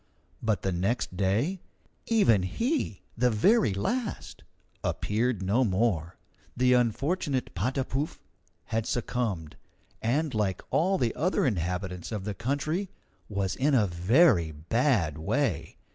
But the next day, even he, the very last, appeared no more. The unfortunate Patapouf had succumbed, and, like all the other inhabitants of the country, was in a very bad way.